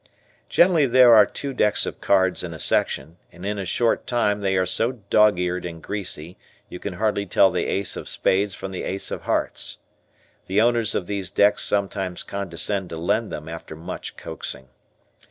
Generally there are two decks of cards in a section, and in a short time they are so dog eared and greasy, you can hardly tell the ace of spades from the ace of hearts. The owners of these decks sometimes condescend to lend them after much coaxing.